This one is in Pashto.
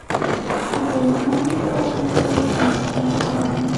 د زایمان د زخم لپاره کوم ملهم وکاروم؟